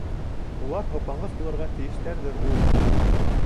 Улар һоҡланғыс булырға тейештәрҙер ул.